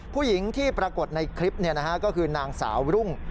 ผู้หญิงที่ปรากฏในคลิปก็คือนางสาวรุ่ง